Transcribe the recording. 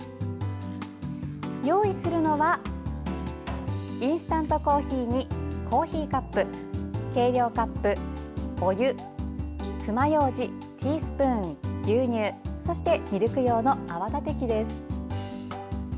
用意するのはインスタントコーヒーにコーヒーカップ、計量カップお湯、つまようじティースプーン牛乳、ミルク用の泡立て器です。